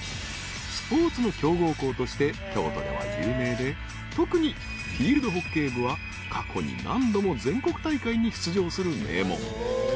［スポーツの強豪校として京都では有名で特にフィールドホッケー部は過去に何度も全国大会に出場する名門］